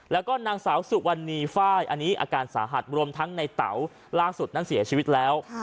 แล้วก็นางสาวสุวรรณีไฟล์อันนี้อาการสาหัสรวมทั้งในเต๋าล่าสุดนั้นเสียชีวิตแล้ว